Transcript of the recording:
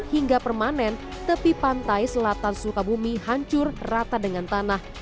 hingga permanen tepi pantai selatan sukabumi hancur rata dengan tanah